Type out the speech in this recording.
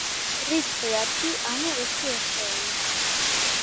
რიცხვი ათი, ანუ ერთი ათეული.